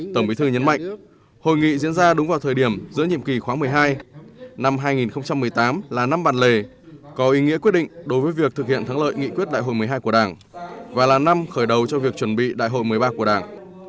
tổng bí thư nhấn mạnh hội nghị diễn ra đúng vào thời điểm giữa nhiệm kỳ khóa một mươi hai năm hai nghìn một mươi tám là năm bản lề có ý nghĩa quyết định đối với việc thực hiện thắng lợi nghị quyết đại hội một mươi hai của đảng và là năm khởi đầu cho việc chuẩn bị đại hội một mươi ba của đảng